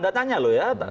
tidak tanya loh ya